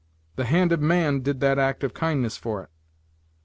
The hand of man did that act of kindness for it."